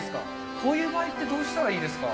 こういう場合ってどうしたらいいですか。